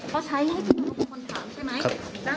เขาใช้ให้พี่มนุษย์เป็นคนถามใช่ไหม